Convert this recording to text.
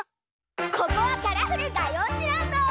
ここはカラフルがようしランド！